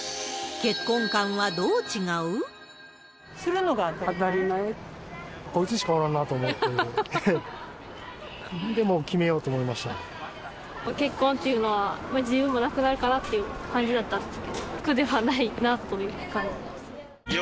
結婚っていうのは、自由もなくなるかなっていう感じだったんですけど、苦ではないなという感じですね。